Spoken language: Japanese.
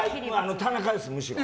田中です、むしろ。